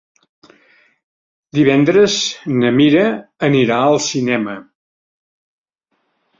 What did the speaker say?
Divendres na Mira anirà al cinema.